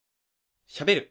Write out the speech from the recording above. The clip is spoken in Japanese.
しゃべる！